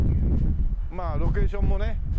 まあロケーションもね